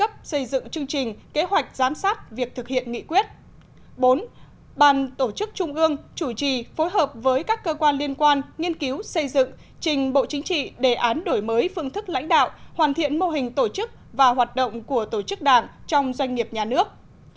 ban tổ chức trung ương chủ trì phối hợp với các cơ quan liên quan nghiên cứu xây dựng trình bộ chính trị đề án đổi mới phương thức lãnh đạo hoàn thiện mô hình tổ chức và hoạt động của tổ chức đảng trong doanh nghiệp nhà nước